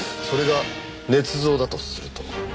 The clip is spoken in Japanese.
それが捏造だとすると。